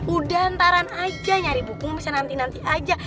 udah ntaran aja nyari buku bisa nanti nanti aja